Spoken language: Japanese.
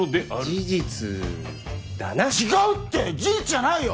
事実だな違うって事実じゃないよ